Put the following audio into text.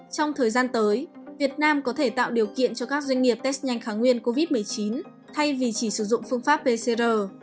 trong thời gian tới việt nam có thể tạo điều kiện cho các doanh nghiệp test nhanh kháng nguyên covid một mươi chín thay vì chỉ sử dụng phương pháp pcr